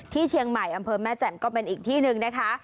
ที่เชียงใหม่อำเภอแม่แจ่มก็เป็นอีกที่หนึ่งนะคะ